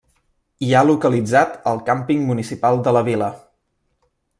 Hi ha localitzat el càmping municipal de la vila.